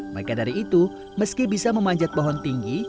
maka dari itu meski bisa memanjat pohon tinggi